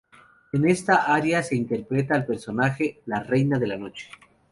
En esta aria se interpreta al personaje "La Reina de la Noche".